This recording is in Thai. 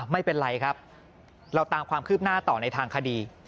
ไม่เป็นไรครับเราตามความคืบหน้าต่อในทางคดี